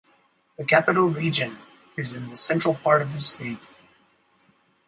The Capital Region is in the central part of the state.